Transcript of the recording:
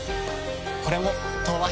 これも「東和品質」。